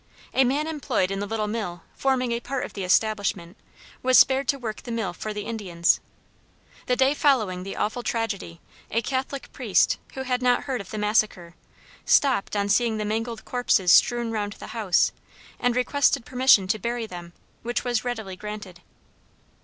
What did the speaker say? A man employed in the little mill, forming a part of the establishment, was spared to work the mill for the Indians. The day following the awful tragedy, a Catholic priest, who had not heard of the massacre, stopped on seeing the mangled corpses strewn round the house, and requested permission to bury them, which was readily granted.